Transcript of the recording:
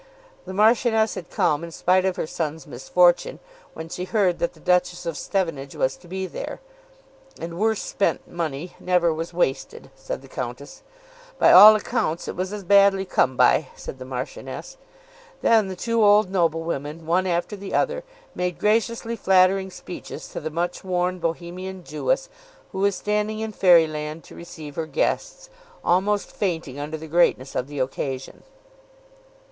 The Marchioness had come in spite of her son's misfortune when she heard that the Duchess of Stevenage was to be there. "And worse spent money never was wasted," said the Countess. "By all accounts it was as badly come by," said the Marchioness. Then the two old noblewomen, one after the other, made graciously flattering speeches to the much worn Bohemian Jewess, who was standing in fairyland to receive her guests, almost fainting under the greatness of the occasion.